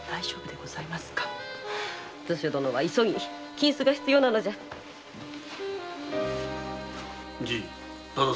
図書殿は急ぎ金子が必要なのじゃじぃ大岡。